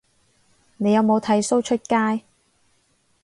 你有冇剃鬚出街